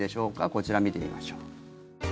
こちら見てみましょう。